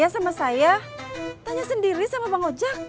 tanya sendiri sama bang ojak